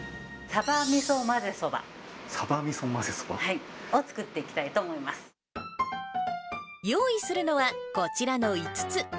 サバみそ混ぜそば？を、作っていきたいと思いま用意するのはこちらの５つ。